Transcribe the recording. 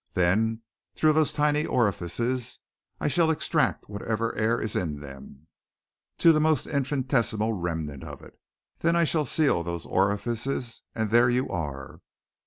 Then through those tiny orifices I shall extract whatever air is in them to the most infinitesimal remnant of it. Then I shall seal those orifices and there you are.